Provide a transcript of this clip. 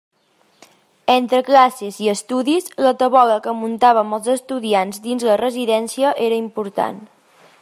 Entre classes i estudis, la tabola que muntàvem els estudiants dins la residència era important.